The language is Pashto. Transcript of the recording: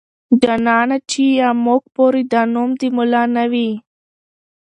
جانانه چې يا موږ پورې دا نوم د ملا نه واي.